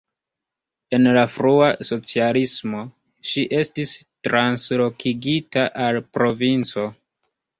En la frua socialismo ŝi estis translokigita al provinco.